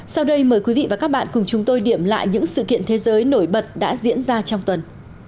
sau đây mời quý vị và các bạn cùng chúng tôi điểm lại những sự kiện thế giới nổi bật đã diễn ra trong tuần